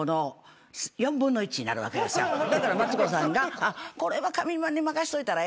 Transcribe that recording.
だからマツコさんがこれは上沼に任せといたらええ。